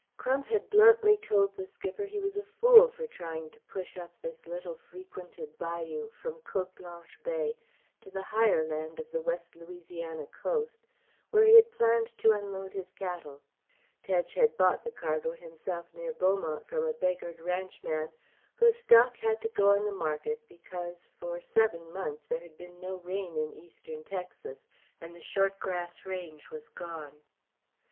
Crump had bluntly told the skipper he was a fool for trying to push up this little frequented bayou from Cote Blanche Bay to the higher land of the west Louisiana coast, where he had planned to unload his cattle. Tedge had bought the cargo himself near Beaumont from a beggared ranchman whose stock had to go on the market because, for seven months, there had been no rain in eastern Texas, and the short grass range was gone.